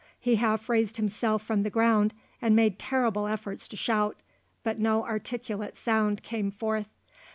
He half raised himself from the ground and made terrible efforts to shout; but no articulate sound came forth.